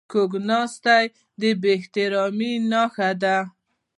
کوږ ناستی د بې احترامي نښه ده